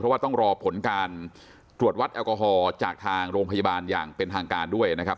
ว่าต้องรอผลการตรวจวัดแอลกอฮอล์จากทางโรงพยาบาลอย่างเป็นทางการด้วยนะครับ